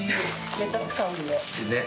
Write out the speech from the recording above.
めちゃ使うんで。